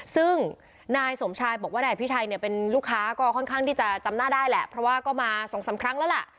ซึ่งนายสมชายบอกว่านายอภิชัยเนี่ยเป็นลูกค้าก็ค่อนข้างที่จะจำหน้าได้แหละเพราะว่าก็มาสองสามครั้งแล้วล่ะ